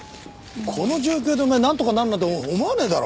この状況でお前なんとかなるなんて思わねえだろ。